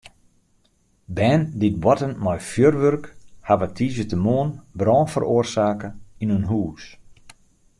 Bern dy't boarten mei fjurwurk hawwe tiisdeitemoarn brân feroarsake yn in hûs.